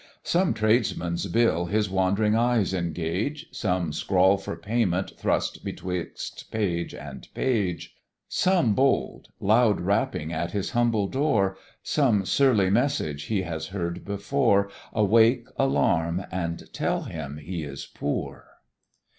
Some Tradesman's bill his wandering eyes engage, Some scrawl for payment thrust 'twixt page and page; Some bold, loud rapping at his humble door, Some surly message he has heard before, Awake, alarm, and tell him he is poor.